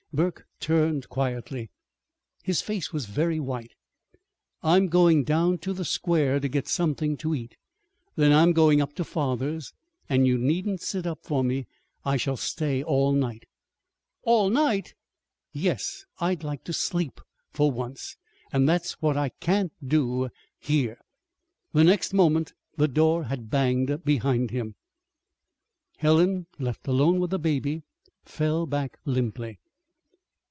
Burke turned quietly. His face was very white. "I'm going down to the square to get something to eat. Then I'm going up to father's. And you needn't sit up for me. I shall stay all night." "All night!" "Yes. I'd like to sleep for once. And that's what I can't do here." The next moment the door had banged behind him. Helen, left alone with the baby, fell back limply.